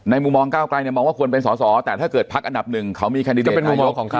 มุมมองก้าวไกลเนี่ยมองว่าควรเป็นสอสอแต่ถ้าเกิดพักอันดับหนึ่งเขามีแคนดิเดตเป็นนายกของเขา